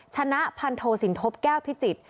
ชนะพันโทสินทบแก้วพิจิตร